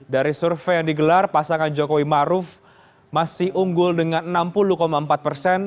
dari survei yang digelar pasangan jokowi maruf masih unggul dengan enam puluh empat persen